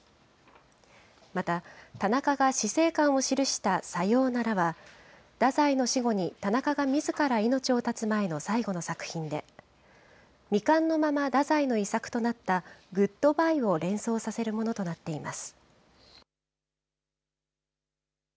また、田中が死生観を記したさようならは、太宰の死後に田中がみずから命を絶つ前の最後の作品で、未完のまま、太宰の遺作となったグッド・バイを連想させるものとなっています。